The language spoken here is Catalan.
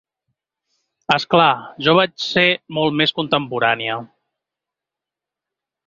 És clar, jo vaig ser molt més contemporània.